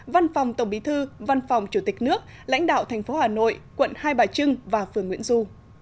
văn phòng tổng bí thư văn phòng chủ tịch nước lãnh đạo thành phố hà nội quận hai bà trưng và phường nguyễn du